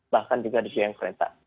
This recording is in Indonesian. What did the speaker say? bahkan juga di siang kereta